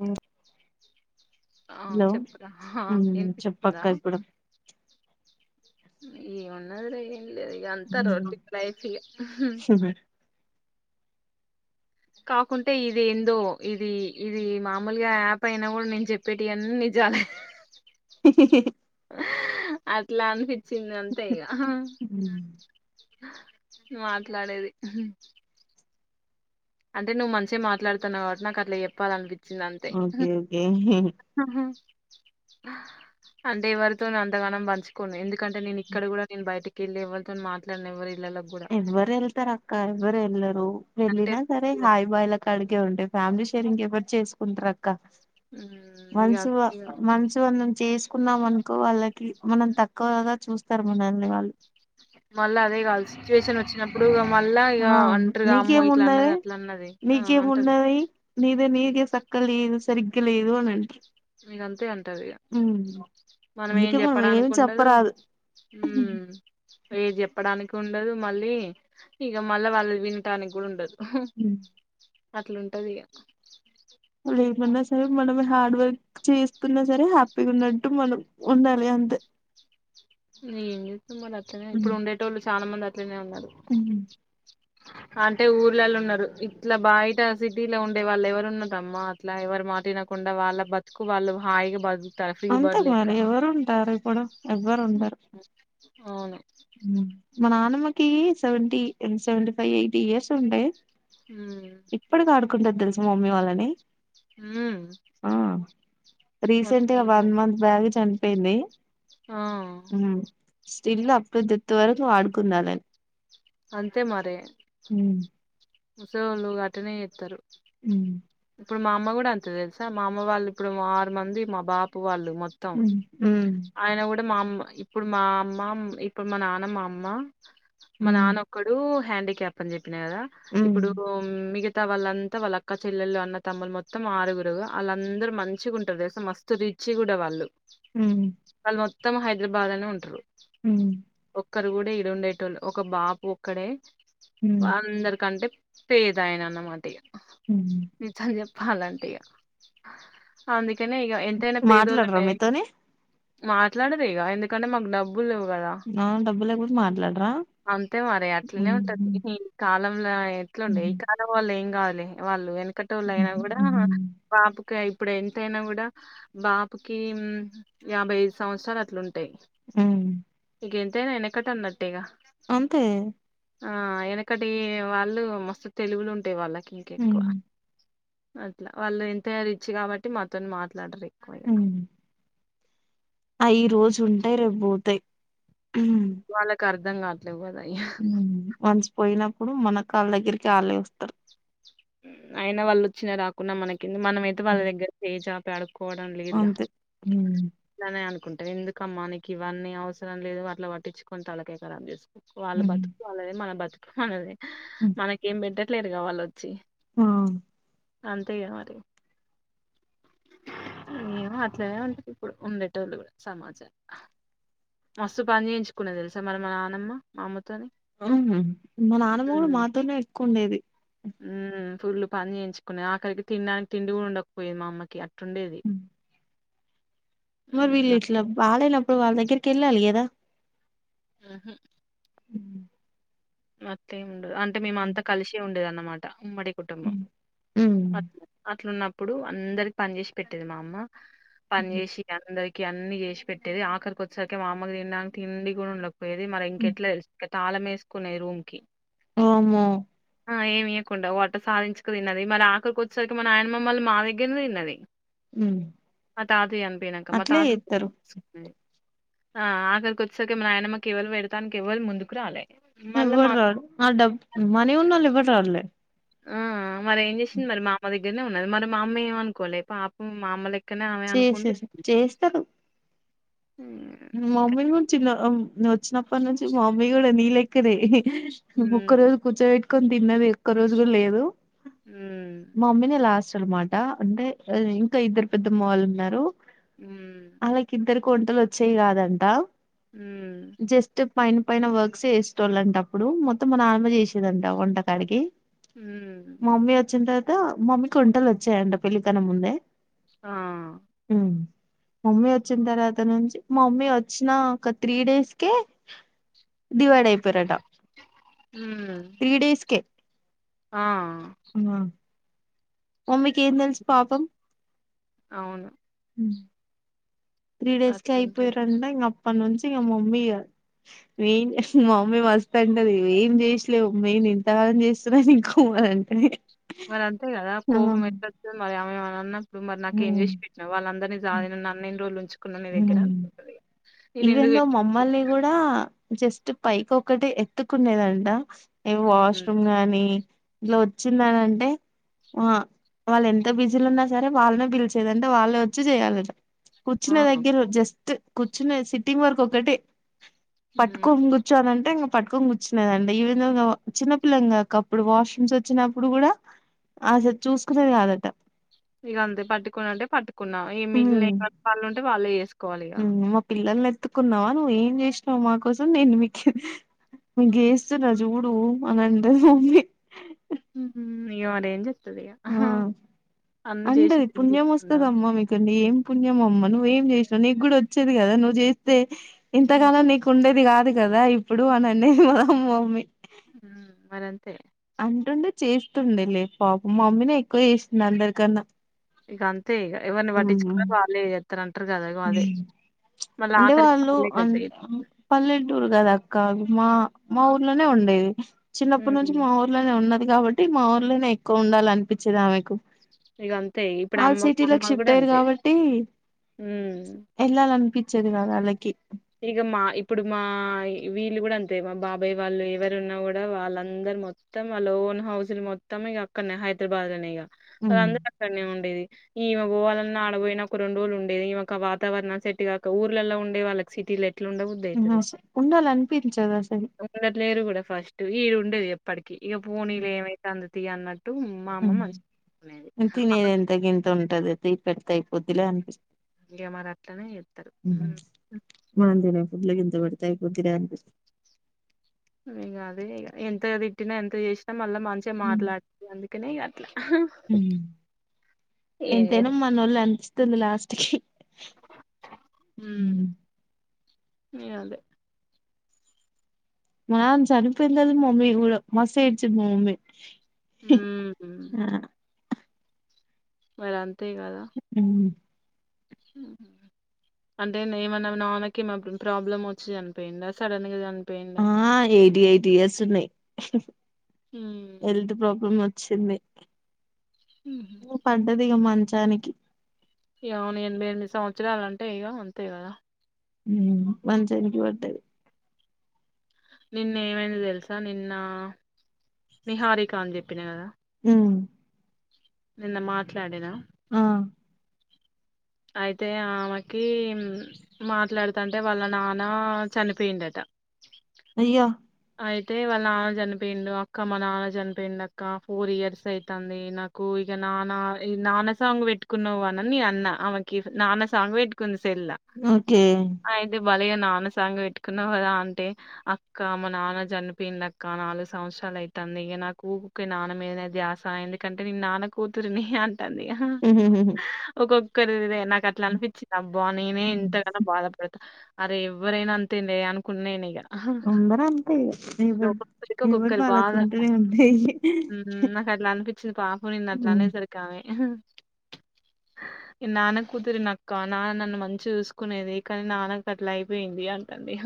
ఊ ఆ చెప్పు రా హా చెప్పక్క వినిపిస్తుందా ఇప్పుడు ఏమున్నదిలే ఇగ ఏం లేదు ఇగ అంతా రొటీన్ లైఫ్ ఇగ కాకుంటే ఇది ఏందో ఇది ఇది మామూలుగా యాప్ అయినా కూడా నేను చెప్పేటివన్నీ నిజాలే హిహిహిహ్ అట్లా అనిపిచ్చింది అంతే ఇగ మాట్లాడేది అంటే నువ్వు మంచిగ మాట్లాడుతున్నావు కాబటి నాకు అట్లా చెప్పాలి అనిపి చింది అంతే ఓకే ఓకే అంటే ఎవ్వరితోను అంతగానం పంచుకోను ఎందుకంటే నేను ఇక్కడ కూడా నేను బయటికెళ్ళి ఎవలితో మాట్లాడను ఎవ్వరి ఇవ్వరు వెళ్తారు అక్క ఇవ్వరు వెళ్ళరు అంటే వెళ్ళిన సరే హాయ్ బై లా కడికే ఉంటాయి ఫ్యామిలీ షేరింగ్ ఎవరు చేకుంటారు అక్క ఇగ వన్స్ ఇగ వనుసు వాళ్ళని చేసుకుంటే కున్నాం అనుకో వాళ్ళకి మనం తక్కువగా చూస్తారు మనల్ని వాళ్ళు మళ్ళా అదే కాల్సి సిచువేషన్ వచ్చినప్పుడు మళ్ళా ఆ ఇగా అంటారుగా అమ్మో ఇట్లా అన్నది నీకేమున్నది అట్లా అన్నది ఆ అంటది కదా నీకేమున్నది నీదే నీకే సక్కగా లేదు సరిగ్గా లేదు అని అంట మీరంతే అంటది ఇగా. మనం ఏం అందుకే ఏమి చెప్పడానికినికి ఉండదు. చెప్పరాదు హ్ ఏది చెప్పడానికి ఉండదు మళ్ళీ ఇగా, మళ్ళా వాళ్ళది వినటానికి కూడా ఉండదు. ఉ అట్లుంటది ఇగా. వాళ్ళు ఏమన్నా సరే మనమే హార్డ్ వర్క్ చేసుకున్నా సరే హ్యాపీగా ఉన్నట్టు మనం ఉండాలి అంతే. ఇగా ఎం చేత్తం మరి అట్లనే ఇప్పుడు ఉండేటోళ్ళు చాలా మంది అట్లనే ఉన్నరు. అంటే ఊర్లల్ల ఉన్నరు. ఇట్లా బయట సిటీలో ఉండే వాళ్ళు ఎవరు ఉన్నరమ్మా అట్లా ఎవరు మా మాటినకుండా వాళ్ళ బతుకు వాళ్ళు హాయిగా బతు అంతే మరి ఎవరు ఉంటారు ఇప్పుడు ఎవ్వరు ఉండరు. అవును మా నానమ్మకి seventy seventy five eighty years ఉంటాయి. హ కుంటది తెలుసా మమ్మీ వాళ్ళని హ్మ్ ఆ రీసెంట్ గా వన్ అట్లుంటది మంత్ బ్యాకే చనిపోయింది. ఆ స్టిల్ అప్ టు డెత్ వరకు ఆడుకుందాలని. అంతే మరి. హ్ ముసళోళ్ళు అట్టనే చేత్తరు. హ్ ఇప్పుడు మా అమ్మ కూడా అంతే తెలుసా. మా అమ్మ వాళ్ళు ఇప్పుడు ఆరు మంది మా బాపు వాళ్ళు. ఇప్పుడు మొత్తం ఆయన కూడా మా అమ్మ ఇప్పుడు మా అమ్మ ఇప్పుడు మా నాన్న మా అమ్మ మా నాన్నొక్కడు హ్యాండీక్యాప్ అని చెప్పినా కదా ఇప్పుడు మిగతా ంతా వాళ్ళంతా వాళ్ళ అక్క చెల్లెలు అన్న తమ్ములు మొత్తం ఆరుగురు ఆళ్ళందరు మంచిగా ఉంటరు మస్తు రిచ్చి కూడా వాళ్ళు. హ్మ్ వాళ్ళు మొత్తం హైదరాబాద్ లనే ఉంటరు. హ్ ఒక్కరు కూడా ఇడ ఉండేటోళ్ళు ఒక బాపు ఒక్కడే అందరికంటే పేదాయనా అన్నమాట ఇగా నిజంచెప్పా లంటే ఇగా అందుకనే ఇగా ఎంతైనా మాట్లాడరా పేదోలమ్మె మీతోని మాట్లాడరే ఇగా ఎందుకంటే మాకు డబ్బు ఆ డబ్బు లేకపోతే మాట్లాడరా. అంతే మరి ఉహు, అట్లనే ఉంటది. ఈ కాలంలా ఎట్లుండే ఉహు, ఈ కాలం వాళ్ళు ఏం కాదు. లే వాళ్ళు వెనకటోళ్ళు ఉహు, అయినా కూడా ఉహు. బాపుకి అయి ఇప్పుడు ఎంతైనా కూడా బాపుకి యాభైఐదు సంవత్సరాలు అట్లుంట టే ఉమ్ ఇగ ఎంతైనా ఎనకట అన్నట్టేగా. అంతే ఆ ఎనకటి వాళ్ళు మస్తు తెలువులు ఉంటయి వాళ్ళకి ఇంకెక్కువ. ఉమ్, అట్లా వాళ్ళు ఎంతయినా రిచ్చి కాబట్టి మాతోని మాట్లాడరు ఎక్కువగా. అయి ఈరోజు ఉంటయి, రేపు పోతయి. అర్ధం కావట్లేవు కదా అయ్యా. ఉమ్. వన్స్ పోయినప్పుడు మన కాళ్ళ దగ్గరికి ఆళ్ళే వస్తరు. అయినా వాళ్ళు వచ్చినా రాకున్నా మనకేంది మనమైతే వాళ్ళ ఉమ్, దగ్గర చేయి చాపి అడు కోవడం లేదుగా అంతే ఉమ్, అట్లనే అనుకుం టం ఎందుకమ్మా నీకు ఇవన్నీ అవసరం లేదు అట్లా పట్టించుకోని తలకాయ్ కరాబ్ చేసు వాళ్ళ ఉమ్, బతుకు వాళ్ళదే మన బతుకు మనదే ఉమ్. మనకేం పెట్టట్లేదుగా వాళ్ళు వచ్చి ఆ అంతేగ మరి ఏమో అట్లేనే ఉంటారు ఇప్పుడు ఉండేటొల్లు సమాజమం లో మస్తు పని చేయించుకున్నది తెలుసా మరి మా నాన్నమ్మ మా అమ్మ తొ మా నానమ్మ కూడా మాతోనే ఎక్కువ ఉండేది మ్మ్ పూల్ పని చేయించుకోని ఆఖరికి తినడానికి తిండి కూడా ఉండకపోయేది మా అమ్మకి అట్టుండేది ఉమ్. మరి వీళ్ళు ఉమ్ ఇట్లా బాగలేనప్పుడు వాళ్ళ దగ్గరికి వెళ్ళాలి కదా ఆహ ఉమ్, అట్లెం ఉండదు అంటే మేమ అంతా కలిసే ఉండేదన్నమాట ఉమ్మడి కుటుంబం ఉమ్, ఉమ్, అట్ అట్లున్నప్పుడు అందరికి పని చేసి పెట్టేది మా అమ్మ పని ఉమ్, చేసి అందరికి కీ అన్ని చేసి పెట్టేది ఆఖరికి వచ్చెసరికి మా అమ్మ తినడానికి తిండి కూడా ఉండకపోయేది మరి ఉమ్. ఇంకెట్లా చే తాళం ఏసుకునేది రూమ్ కి వామ్మో ఆ ఏమి ఇయ్యకుండా అట్ట సాధించుకు తిన్నది మరి ఆఖరికి వచ్చేసరికి మా నాయనమ్మ మళ్ళీ మా దగ్గరే తిన్నది ఉమ్. మా తాతయ్య చనిపోయినాక మా అట్లే తాత చేస్తారు [unintelligible] ఆ అఖరికి వచ్చెసరికీ మా నాయనమ్మ కీ ఎవళు పెడతానికి ఎవళు ముందుకు రాలే మళ్ళా ఎవ్వరు మా రారు ఆ డబ్ మనీ ఉన్నాళ్ళు ఎవ్వరు రారులే మ్మ్ మరెం ఏం చేసింది మరి మా అమ్మ దగ్గరనే ఉన్నది మరి మా అమ్మ ఏమ్ అనుకోలే పాపం మా అమ్మ లే అక్కనే ఆమె అనుకుంది చేసేసి చేస్తారు అవును మా మమ్మీ కూడా వచ్చిన్న నువ్వు వచ్చినప్పటి నుంచి మా మమ్మీ కూడా నీ లెక్క నే ఒక్క హ్మ్. రోజు కూర్చోబెట్టుకని తిన్నది ఒక్క రోజు కూడా లేదు హ్మ్. మమ్మీనే లాస్ట్ అన్నమాట అంటే ఇంకా ఇద్దరు పెద్దమ్మ వాళ్ళు ఉన్నారు వాళ్ళకి మ్మ్ ఇద్దరికి వంటలు వచ్చేవి కాదంట మ్మ్ జస్ట్ పైన పైన వర్క్స్ చేసేటోళ్ళు అంటా అప్పుడు మొత్తం నానమ్మ చేసేదంట వంటకాడికి హ్మ్. మమ్మీ వచ్చిన తర్వాత మమ్మీకి వంటలు వచ్చాయంట పెళ్లి కన్న ముందే ఆ మమ్మీ వచ్చిన తర్వాత నుంచి మా మమ్మీ వచ్చినా ఒక త్రీ డేస్ కే డివైడ్ అయిపొయారటా హ్మ్. త్రీ డేస్ కే ఆ మమ్మీకి ఏం తెలిసు పాపం అవును. త్రీ డేస్కే అట్లుంటది. అయిపోయిరంటా అప్పటి నుంచి మమ్మీ గా మా మమ్మీ మస్త్ అంటాది ఏమేం చేసలేవు మిము ఇంత పని చేస్తున్నా ఇంకో వంటే మరి అంతే కదా కోపం ఎట్లా యి [unintelligible] మరి ఆమెన్నా ఇప్పుడు మరి నాకు ఏం చేసి పెట్టినావ్ వాళ్ళందరినీ సాకినావ్ నన్ను ఎన్ని రోజులు ఉంచుకున్నవ్ నీ దగ్గర నేనెందుకు ఇవెన్గా పెట్టింది? మమ్మల్ని కూడా జస్ట్ పైకి ఒకటి ఎత్తుకునేదంట ఏ హ్మ్. వాష్రూమ్ గానీ ఇట్లా వచ్చిందాన అంటే ఆ వాళ్ళు ఎంత బిజీలో ఉన్నా సరే వాళ్ళనే పిలిచేదాట వాళ్ళే వచ్చి చేయాలటా ఆ! కూర్చునే దగ్గర జస్ట్ కూర్చునే సిట్టింగ్ వరుకు ఒక్కటే హ్మ్. పట్టుకోని కూర్చోమంటే ఇంగా పట్టుకొని కూర్చున్నాదంటా ఈ విధంగా చిన్నపిల్లలంగా ఒకప్పుడు వాష్రూమ్స్ వచ్చినప్పుడు కూడా అసలు చూసుకునేది కాదంట ఇక అంతే పట్టుకుని అంటే పట్టుకున్నా ఏం మిగిలినయ్ నాకు పనులు ఉంటేవాళ్ళే చేసు నువ్వు మా పిల్లల్ని ఎత్తుకున్నావా నువ్వ్ ఏం చేసినావు మా కోసం నేను మికి హ్మ్ గేస్తున్నా జుడు అని అంటది మమ్మి హ్మ్ హు అయ్యో మరిఎమ్ ఆ అంటది చేసింది ఎందుకు పుణ్యం గుర్తుకుండవా? వస్తదమ్మా మీకండి ఏం పుణ్యమమ్మ నువ్వేం చేసినావ్ నీకు కూడా వచ్చేది కదా నువ్వు చేస్తే హ్మ్. ఇంతకాలం నీకు ఉండేది కాదు కదా ఇప్పుడు అని అనేది మా మమ్మీ హ్మ్ మరంతే అంటుండే చేస్తుండే లే పాపం మమ్మీనే ఎక్కువ చేసింది అందరికన్నా ఇగ అంతే ఇగ ఎవరిని ఆహా పట్టించుకున్నారు వాళ్ళే చేత్తనంటారు కదా అగో అదే మళ్ళ అంటే ఆఖరికి వాళ్ళు వాళ్ళే అన్ గదా! పల్లెటూరు కదా అక్క మా మా ఊర్లోనే ఉండేది చిన్నప్పుడు నుంచి హ్మ్. మా ఊర్లోనే ఉన్నది కాబట్టి మా ఊర్లోనే ఎక్కువ ఉండాల అనిపిచేది ఆమెకు ఇగ అంతే. ఇప్పుడు ఆల్ అమ్మ సిటీలో కి అమ్మ షిఫ్ట్ గూడా అయ్యిరు అంతే. కాబట్టి ఎల్లాలనిపిచదు ఇగమా ఇప్పుడు మా వీళ్ళు గుడా అంతే మా బాబాయ్ వాళ్ళు ఎవరు ఉన్నా కూడా వాళ్ళందరు మొత్తం ఆ లోన్ హౌస్లు మొత్తం ఇగ అక్కడనే హైదరాబాద్ లోనే ఇగ వాళ్లు ఉమ్ అందరూ అక్కడనే ఉండేది ఈమె పోవాలన్నా ఆడబోయినా ఒక రెండు రోజులు ఉండేది ఈమెకా వాతావరణం సెట్గాక ఊర్లల్లా ఉండే వాళ్ళకి సిటీ ల ఎట్లుండ బుద్ధి హ్మ్ అయితది అస ఉండాలనిపించదు అసలు ఉండట్లేరు కూడా ఫ స్టు ఈడుండేది ఎప్పటికి ఇక పోనీలే ఏమైతంది తి అన్నట్టు మా అమ్మ హ్మ్ మంచి తినేది ఎంత గింత ఉంటది తిపెడితే అయి కొద్దిగా అనిపిస్ ఇగ మరి అట్లనే చేత్తరు హ్మ్ మనం తినేది వద్దులే గింత పెడితే అయిపోద్ది కదా అనిపిస్తది ఇగ అదే ఇగ ఎంత తిట్టినా ఎంత చేసినా మళ్ళా మంచిగా మాట్లాడుతాది అందుకనే ఇగ అట్లా హ్మ్ ఏం చే ఎంతేనా మనోళ్ళే అనిపిస్తాది లాస్ట్ కి హ్మ్ ఉమ్. అదే మ అమ్ చనిపోయిందని మమ్మీ గుడా మస్తు ఏడ్చింది మా మమ్మీ ఉమ్ ఆ మరి అంతే కదా హ్మ్ హ్మ్ అంటే ఏమన్నా మి నాన్నకి ప్రాబ్లమ్ వచ్చి చనిపోయిందా సడన్‌గా చని ఆ ఎయిటీ ఎయిటీ ఇయర్స్ ఉన్నాయ్ ఉమ్ హెల్త్ ప్రాబ్లమ్ వ చ్చింది ఉహు పడ్డదిగా మంచానికి ఇగ అవును ఏనబ్బే ఎనిమిది సంవత్సరాలు అంటే ఇగ అంతే కదా హ్మ్ మంచానికి పడ్డది నిన్న ఏమైంది తెలుసా నిన్న నిహారిక అని చెప్పినా కదా హ్మ్ నిన్న మాట్లాడినా ఆ అయితే ఆమెకి మాట్లాడుతంటే వాళ్ళ నాన్న చనిపోయిండట అయ్యో అయితే వాళ్ళ నాన్న చనిపోయిండు అక్క మా నాన్న చనిపోయిండు అక్క ఫోర్ ఇయర్స్ అయితంది నాకు ఇగ నానా ఈ నాన్న సాంగ్ పెట్టుకున్నావు అననీ అన్న ఆమెకి నాన్న సాంగ్ పెట్టుకుంది సెల్ల్‌ల ఓకే అయితే బలేగా నాన్న సాంగ్ పెట్టుకున్నావు కదా అంటే అక్క మ నాన్న చనిపోయిండు అక్క నాలుగు సంవత్సరాలు అయితంది ఇక నాకు ఊకే నాన్న మీదనే ధ్యాస ఎందుకంటే నే నాన్న కూతురిని అంటంది ఇగ ఉమ్, ఉమ్, ఒక్కొక్కరిదే నాకు అట్లా అనిపిచింది అబ్బా నేనే ఉమ్. ఇంతగాన్నా బాధపడతా అరే ఎవ్వరైనా అంతేలే అనుకున్నాను ఇక అందరు అంత మీ చక్క కుక్కర్ బాగా నాకు అట్లా అనిపించింది పాప నిన్ను అట్లా ఉమ్ అనేసరికి ఆమె [inaudible] నాన్న కూతురి నక్క నాన్న నన్ను మంచి చూసుకునేది కానీ నాన్నకు అట్లా అయిపోయింది అ ఇహ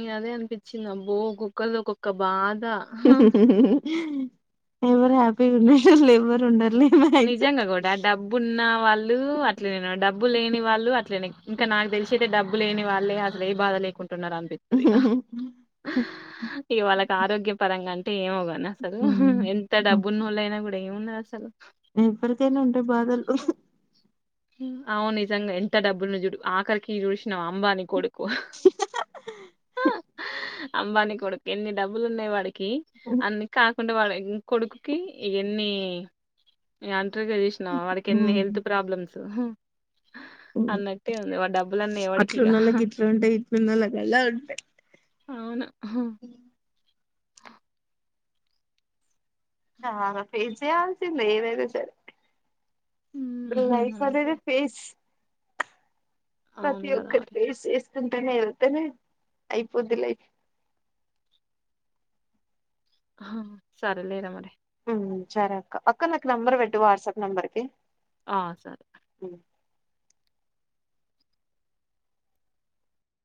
మ్ అదే అనిపిచ్చింది. అబ్బో ఒక్కొక్కల్ది ఒక్కో బా ద. ఎవ్వరు హ్యాపీగా ఉండనోళ్ళు ఎవ్వరు ఉండరు. నిజంగా కూడ. డబ్బు ఉన్న వాళ్ళు అట్లనెను, డబ్బు లేని వాళ్ళు అట్లేనే. ఇంకా నాకు తెలిసి అయితె డబ్బు లేని వాళ్లే అసల్ ఏ బాధ లేకున్ తున్నారు అనిపిత్తదిగ. ఇగ వాళ్ళకి ఆరోగ్య పరంగా అంటే ఏమోగా నీ అసలు, ఉమ్ ఎంత డబ్బునోళ్ళయినా కూడ ఏమున్నది అసలు? ఎవరికైనా ఉంటాయి బాదలు. అవును నిజంగా ఎంత డబ్బులున్న చుడు ఆఖరికి చూసినావ, అంబాని కొడుకు. హా అంబానీ కొడుకి ఎన్ని డబ్బులున్నాయి వాడికి, అన్ని కా కుంటే వాడ ఇం కొడుకుకి ఎన్ని, ఇంగన్ డాక్టర్ గా చూసినావ, వాడికి ఎన్ని హెల్త్ ప్రాబ్లమ్స్ మ్ అన్నట్టే ఉంది. వాడి డబ్బులన్నీ ఎవడికిగ. అట్లున్నోళ్ళకి ఇట్లా ఉంటే, ఇట్లున్నోళ్ళకి అలా ఉంటాయి. అవును. చాల ఫేస్ చెయ్యాల్సిందే ఏదైనా సరె. ఇప్పుడు హ్మ్. లైఫ్ అంతే. అనేదే ఫేస్ ప్రతి అవును గదా ఒక్కరి మరి. ఫేస్ చేస్ కుంటనే, ఎళ్తనే అయిపోద్ది లైఫ్. హ సరే లేరా మరి. మ్ సరే అక్క. అక్క నాకు నంబర్ పెట్టు వాట్సాప్ నెంబర్కి. ఆ సరె.